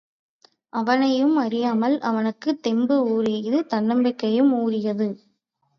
அவனையும் அறியாமல், அவனுக்குத் தெம்பு ஊறியது தன்னம்பிக்கையும் ஊறியது.